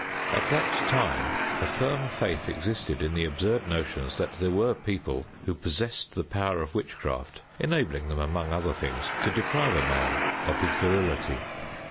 At that time a firm faith existed in the absurd notions that there were people who possessed the power of witchcraft, enabling them, among other things, to deprive a man of his virility.